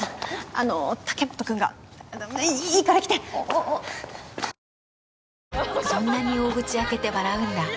あの竹本くんがいいから来てそんなに大口開けて笑うんだ。